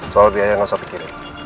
soal biaya gak usah pikirin